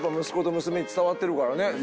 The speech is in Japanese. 息子と娘に伝わってるからね